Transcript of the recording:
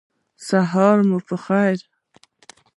سهار مو پخیر